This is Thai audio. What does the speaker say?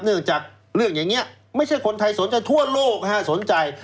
เนื่องจากเรื่องอย่างนี้ไม่ใช่คนไทยสนใจทั่วโลกสนใจ